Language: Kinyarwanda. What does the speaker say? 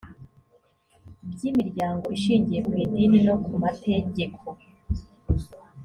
by imiryango ishingiye ku idini no ku mategeko